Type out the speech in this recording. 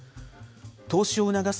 投資を促す